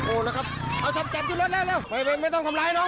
โอ้นะครับจับชุดรถเร็ว